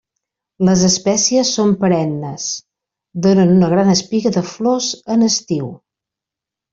Les espècies són perennes, donen una gran espiga de flors en estiu.